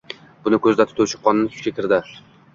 Buni koʻzda tutuvchi qonun kuchga kirdi